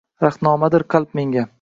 Rahnamodir qalb menga.